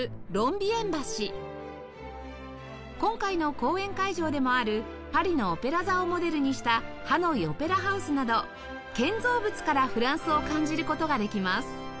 今回の公演会場でもあるパリのオペラ座をモデルにしたハノイオペラハウスなど建造物からフランスを感じる事ができます